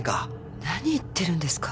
何言ってるんですか？